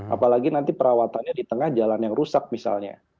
apalagi nanti perawatannya di tengah jalan yang rusak misalnya